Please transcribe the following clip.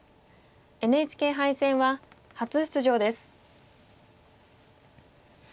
ＮＨＫ杯戦は初出場です。